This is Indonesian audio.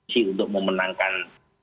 si untuk memenangkan